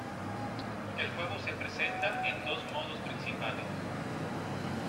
El juego se presenta en dos modos principales.